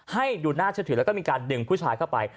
ให้ดูน่าเชื่อถือแล้วก็มีการดึงผู้ชายเข้าไป